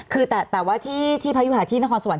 คือแต่ว่าที่พายุหาที่นครสวรร